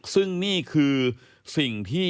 ซึ่งนี่คือสิ่งที่